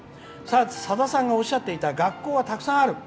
さださんがおっしゃっていた学校はたくさんある。